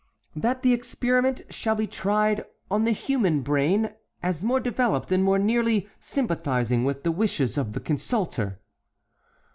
"That the experiment shall be tried on the human brain, as more developed and more nearly sympathizing with the wishes of the consulter."